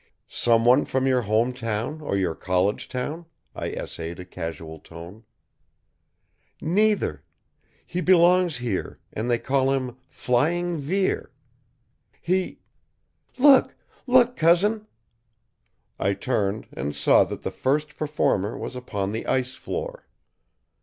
"Someone from your home town or your college town?" I essayed a casual tone. "Neither. He belongs here, and they call him Flying Vere. He Look! Look, Cousin!" I turned, and saw that the first performer was upon the ice floor.